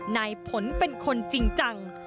นายผลเป็นคนจริงจัง